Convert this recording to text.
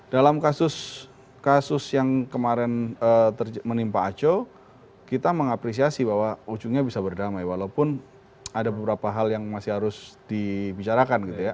dalam kasus yang kemarin menimpa aco kita mengapresiasi bahwa ujungnya bisa berdamai walaupun ada beberapa hal yang masih harus dibicarakan gitu ya